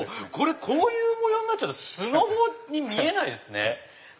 こういう模様になっちゃうとスノボに見えないですね。